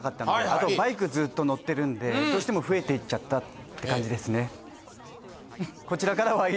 あとバイクずっと乗ってるんでどうしても増えていっちゃったって感じですね。